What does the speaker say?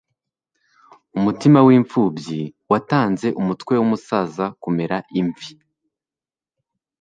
Umutima w'imfubyi watanze umutwe w'umusaza kumera imvi